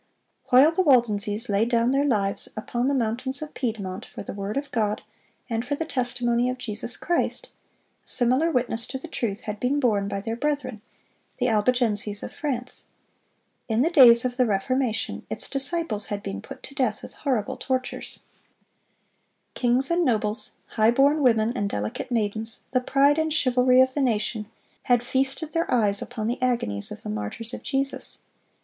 While the Waldenses laid down their lives upon the mountains of Piedmont "for the word of God, and for the testimony of Jesus Christ," similar witness to the truth had been borne by their brethren, the Albigenses of France. In the days of the Reformation, its disciples had been put to death with horrible tortures. King and nobles, high born women and delicate maidens, the pride and chivalry of the nation, had feasted their eyes upon the agonies of the martyrs of Jesus.